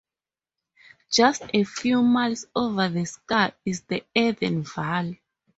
Just a few miles over the scar is the Eden valley.